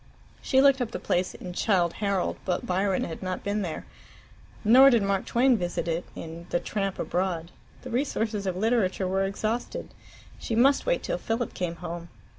She looked up the place in "Childe Harold," but Byron had not been there. Nor did Mark Twain visit it in the "Tramp Abroad." The resources of literature were exhausted: she must wait till Philip came home.